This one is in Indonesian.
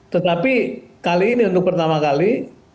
tetapi kali ini untuk pertama kali